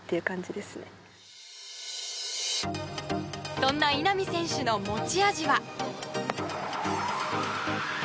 そんな稲見選手の持ち味は。